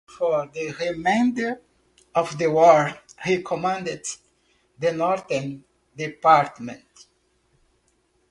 For the remainder of the war he commanded the Northern Department.